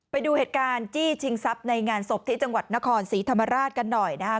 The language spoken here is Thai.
ไปดูเหตุการณ์จี้ชิงทรัพย์ในงานศพที่จังหวัดนครศรีธรรมราชกันหน่อยนะครับ